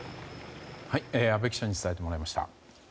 阿部記者に伝えてもらいました。